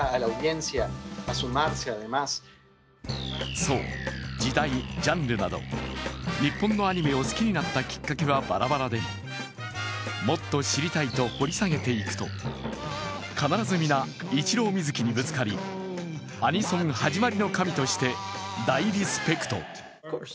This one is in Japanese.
そう、時代、ジャンルなど日本のアニメを好きになったきっかけはバラバラでもっと知りたいと掘り下げていくと必ず皆、ＩｃｈｉｒｏＭｉｚｕｋｉにぶつかりアニソンはじまりの神として大リスペクト。